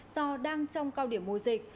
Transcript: do đang trong cao điểm mối dịch